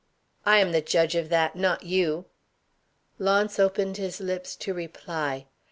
"I am the judge of that. Not you." Launce opened his lips to reply.